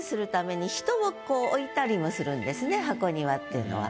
箱庭っていうのは。